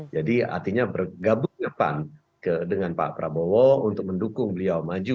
jadi artinya bergabungnya pan dengan pak prabowo untuk mendukung beliau maju